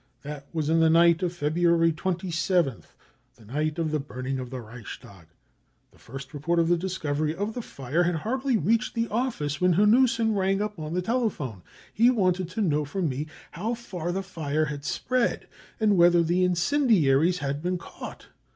| That was in the night of February 27th, the night of I the burning of the Reichstag. The first report of the discovery of the fire had hardly reached the office when 1 Hanussen rang up on the telephone. He wanted to j know from me how far the fire had spread and whether I the incendiaries had been caught.